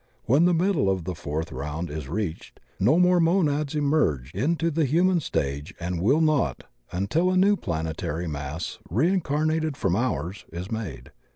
When the middle of the Fourth Round is reached no more Monads emerge into the human stage and will not until a new planetary mass, reincarnated from ours, is made.